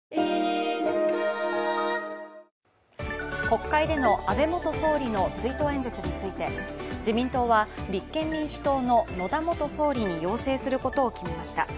国会での安倍元総理の追悼演説について自民党は、立憲民主党の野田元総理に要請することを決めました。